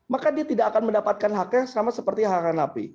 maka dia tidak akan mendapatkan haknya sama seperti hak hak napi